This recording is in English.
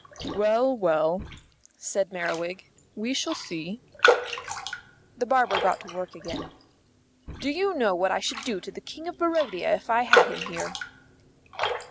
"Well, well," said Merriwig, "we shall see." The barber got to work again. "Do you know what I should do to the King of Barodia if I had him here?"